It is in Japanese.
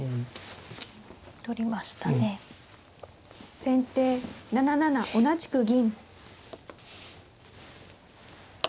先手７七同じく銀。